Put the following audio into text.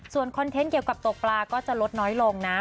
ส่วนคอนเทนต์เกี่ยวกับตกปลาก็จะลดน้อยลงนะ